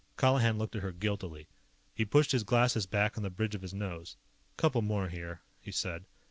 Colihan looked at her guiltily. He pushed his glasses back on the bridge of his nose. "Couple more here," he said.